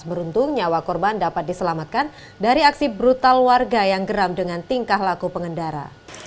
beruntung nyawa korban dapat diselamatkan dari aksi brutal warga yang geram dengan tingkah laku pengendara